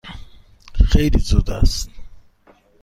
خیلی زود است.